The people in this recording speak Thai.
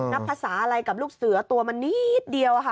นับภาษาอะไรกับลูกเสือตัวมันนิดเดียวค่ะ